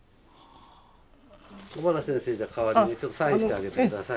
小原先生じゃあ代わりにちょっとサインしてあげてください。